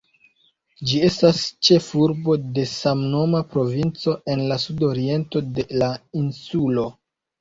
Ĝi estas ĉefurbo de samnoma provinco, en la sudoriento de la insulo.